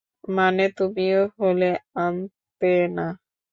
মানে, তুমি হলে আনতে না?